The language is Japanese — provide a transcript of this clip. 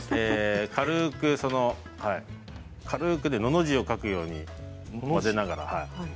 軽くのの字を描くように混ぜながら。